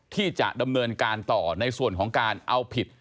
ที่จะดำเนินการต่อในส่วนของการเอาผิด